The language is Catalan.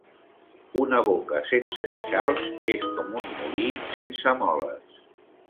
Una boca sense queixals és com un molí sense moles.